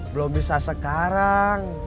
belum bisa sekarang